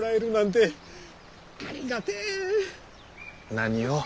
何を。